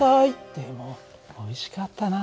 でもおいしかったな。